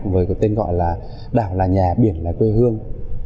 với cái tên gọi là đảo là nhà biển là quê hương